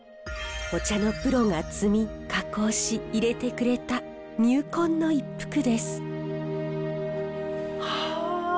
お茶のプロが摘み加工しいれてくれた入魂の一服です。はあ！